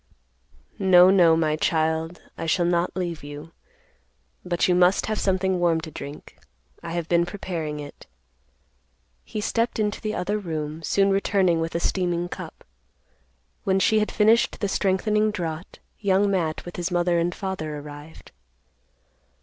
"No, no, my child; I shall not leave you. But you must have something warm to drink. I have been preparing it." He stepped into the other room, soon returning with a steaming cup. When she had finished the strengthening draught, Young Matt, with his mother and father, arrived.